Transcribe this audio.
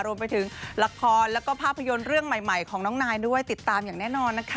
รวมไปถึงละครแล้วก็ภาพยนตร์เรื่องใหม่ของน้องนายด้วยติดตามอย่างแน่นอนนะคะ